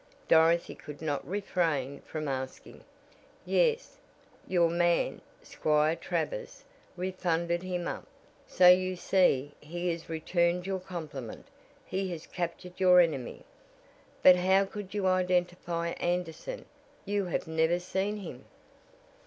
Dorothy could not refrain from asking. "Yes, your man Squire Travers refunded him up, so you see he has returned your compliment, he has captured your enemy." "But how could you identify Anderson? You have never seen him."